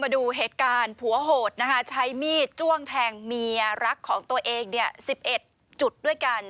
ดูเหตุการณ์ผัวโหดใช้มีดตรงแทงเมียรักของตัวเองสิบเอ็ดจุดเด้อยกัน